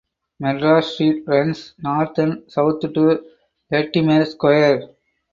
Madras Street runs north and south to Latimer Square.